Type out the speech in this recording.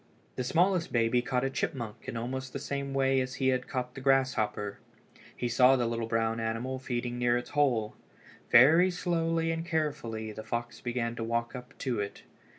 The smallest baby caught a chipmunk in almost the same way as he had caught the grasshopper. He saw the little brown animal feeding near its hole. Very slowly and carefully the fox began to walk up to it.